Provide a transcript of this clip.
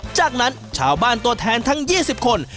จากนั้นชาวบ้านตัวแทนทั้ง๒๐คน